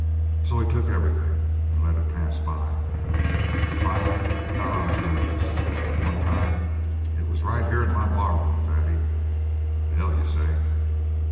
So he took everything and let it pass by. But finally it got on his nerves. One time it was right here in my barroom, Fatty " "The hell you say!"